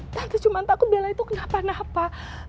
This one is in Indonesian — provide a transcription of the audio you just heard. tante cuma takut bella itu kenapa napa